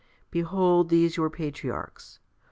Behold these your patriarchs.